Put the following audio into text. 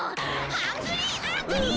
ハングリーアングリー！